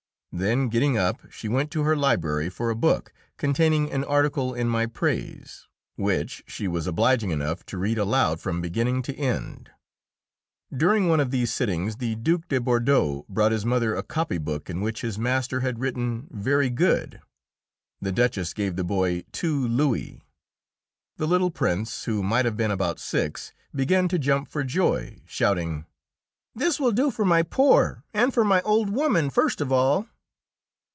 Then, getting up, she went to her library for a book containing an article in my praise, which she was obliging enough to read aloud from beginning to end. During one of these sittings the Duke de Bordeaux brought his mother a copybook in which his master had written "Very good." The Duchess gave the boy two louis. The little Prince, who might have been about six, began to jump for joy, shouting, "This will do for my poor and for my old woman first of all!"